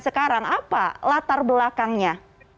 sekarang apa latar belakangnya